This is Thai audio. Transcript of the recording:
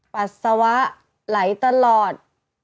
ปัสสาวะไหลตลอด